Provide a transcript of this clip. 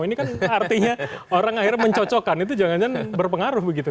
ini kan artinya orang akhirnya mencocokkan itu jangan jangan berpengaruh begitu